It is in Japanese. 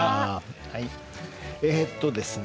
えっとですね